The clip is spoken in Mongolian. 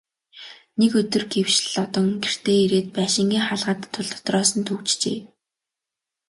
Нэг өдөр гэвш Лодон гэртээ ирээд байшингийн хаалгаа татвал дотроос түгжжээ.